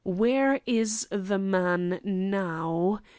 Where is the man now?